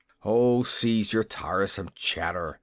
"Oh, cease your tiresome chatter!"